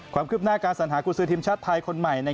ความคืบหน้าการสัญหากุศือทีมชาติไทยคนใหม่